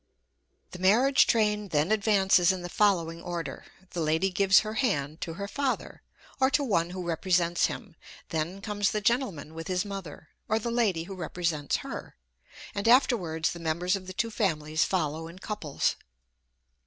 The marriage train then advances in the following order; the lady gives her hand to her father, or to one who represents him; then comes the gentleman with his mother, or the lady who represents her, and afterwards the members of the two families follow in couples.